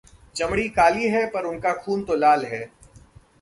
चमड़ी काली है पर उनका खून तो लाल है